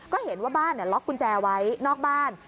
ก็เห็นว่าบ้านล็อกกุญแจไว้นอกบ้าน